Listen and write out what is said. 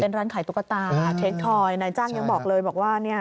ร้านขายตุ๊กตาเทคทอยนายจ้างยังบอกเลยบอกว่าเนี่ย